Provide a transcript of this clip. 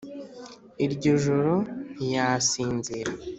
iryo joro ntiyasinzira